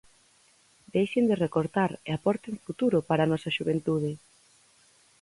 ¡Deixen de recortar e aporten futuro para a nosa xuventude!